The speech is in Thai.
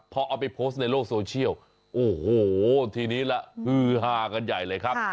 พอเอาไปโพสต์ในโลกโซเชียลโอ้โหทีนี้ละฮือฮากันใหญ่เลยครับ